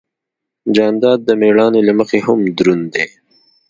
جانداد د مېړانې له مخې هم دروند دی.